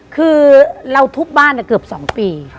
คือเราทุกบ้านเนี่ยเกือบ๒ปี